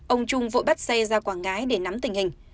ông trung vội bắt xe ra quảng ngãi để nắm tình hình